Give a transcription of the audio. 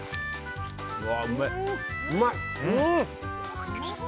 うまい！